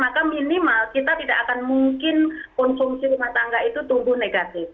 maka minimal kita tidak akan mungkin konsumsi rumah tangga itu tumbuh negatif